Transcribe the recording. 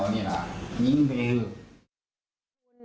อ๋อรูปิด